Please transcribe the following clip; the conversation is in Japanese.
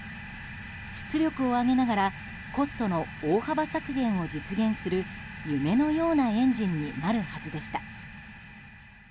出力を上げながらコストの大幅削減を実現する夢のようなエンジンになるはずでした。